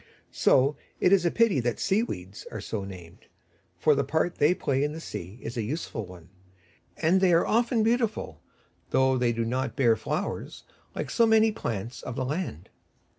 So it is a pity that Sea weeds are so named, for the part they play in the sea is a useful one; and they are often beautiful, though they do not bear flowers like so many plants of the land.